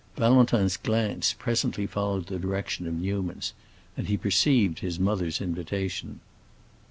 Valentin's glance presently followed the direction of Newman's, and he perceived his mother's invitation.